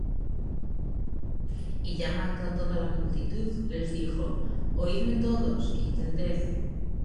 Y llamando á toda la multitud, les dijo: Oidme todos, y entended: